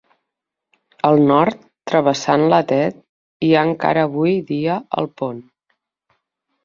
Al nord, travessant la Tet, hi ha encara avui dia el pont.